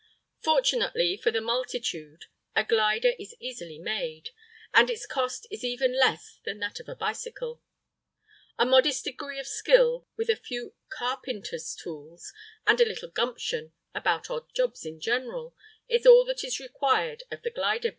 Fortunately for the multitude, a glider is easily made, and its cost is even less than that of a bicycle. A modest degree of skill with a few carpenter's tools, and a little "gumption" about odd jobs in general, is all that is required of the glider builder.